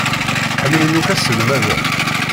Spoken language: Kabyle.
Ḥemmlen akk aselmad-a.